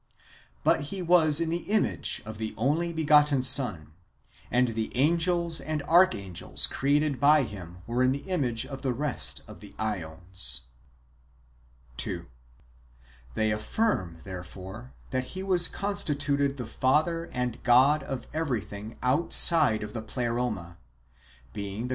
But he was in the image of the only begotten Son, and the angels and archangels created by him w^ere in the imao e of the rest of the ^ons. o 2. They affirm, therefore, that he was constituted the Father and God of everything outside of the Pleroma, being the creator of all animal and material substances.